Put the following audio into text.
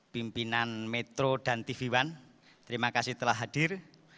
pimpinan metro dan tv one terima kasih telah hadir